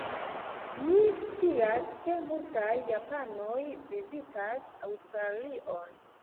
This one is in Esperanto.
Mi scias ke multaj japanoj vizitas Aŭstralion.